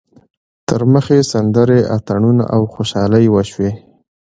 تر مخ یې سندرې، اتڼونه او خوشحالۍ وشوې.